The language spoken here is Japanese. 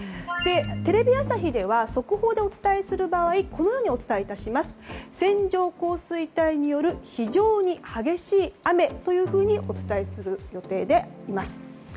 テレビ朝日では速報でお伝えする場合線状降水帯による非常に激しい雨というふうにお伝えする予定でいます。